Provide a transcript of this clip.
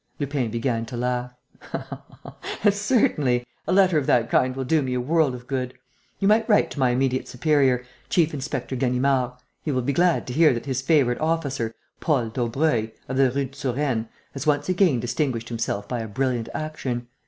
Lupin began to laugh: "Certainly! A letter of that kind will do me a world of good. You might write to my immediate superior, Chief inspector Ganimard. He will be glad to hear that his favourite officer, Paul Daubreuil, of the Rue de Surène, has once again distinguished himself by a brilliant action.